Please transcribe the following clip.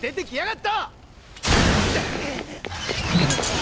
っ！